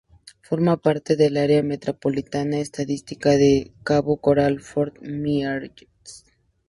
Forma parte del Área Metropolitana Estadística de Cabo Coral-Fort Myers.